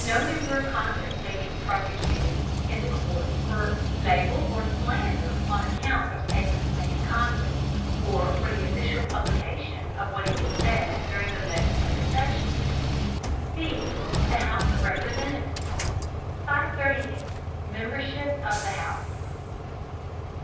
No member of Congress may be prosecuted in the courts for libel or slander on account of statements made in Congress, or for the official publication of what he has said during the legislative session. B. THE HOUSE or REPRESENTATIVES 538. MEMBERSHIP OF THE HOUSE.